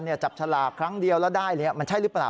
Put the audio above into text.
จับฉลากครั้งเดียวแล้วได้มันใช่หรือเปล่า